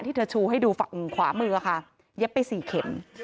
เธอชูให้ดูฝั่งขวามือค่ะเย็บไป๔เข็ม